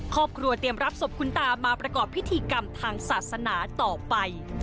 เตรียมรับศพคุณตามาประกอบพิธีกรรมทางศาสนาต่อไป